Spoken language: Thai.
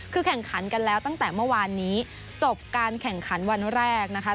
คือแข่งขันกันแล้วตั้งแต่เมื่อวานนี้จบการแข่งขันวันแรกนะคะ